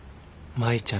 舞ちゃん。